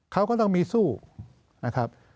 เขาก็ต้องมีสู้นะครับ